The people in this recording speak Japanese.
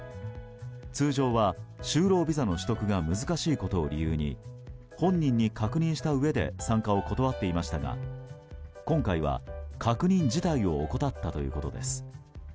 通常は、就労ビザの取得が難しいことを理由に本人に確認したうえで参加を断っていましたが今回は確認自体を怠ったということです。